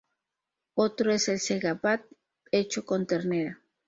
Otro es el "sega wat", hecho con ternera.